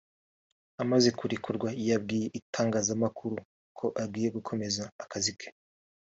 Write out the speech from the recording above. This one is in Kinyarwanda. Amaze kurekurwa yabwiye itangazamakuru ko agiye gukomeza akazi ke